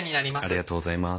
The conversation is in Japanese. ありがとうございます。